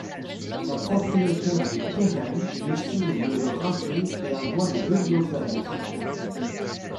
Le propriétaire du terrain décide de le raser et envoie les bulldozers.